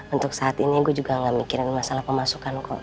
untuk saat ini gue juga gak mikirin masalah pemasukan kok